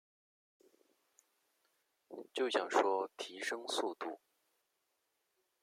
就想说提升速度